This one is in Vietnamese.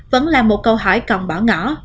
vẫn là một câu hỏi còn bỏ ngỏ